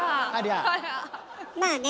まあね